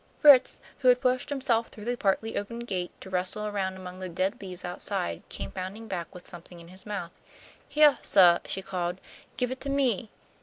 Fritz, who had pushed himself through the partly opened gate to rustle around among the dead leaves outside, came bounding back with something in his mouth. "Heah, suh!" she called. "Give it to me!"